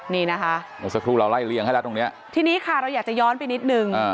นี่นะคะเมื่อสักครู่เราไล่เลี่ยงให้แล้วตรงเนี้ยทีนี้ค่ะเราอยากจะย้อนไปนิดนึง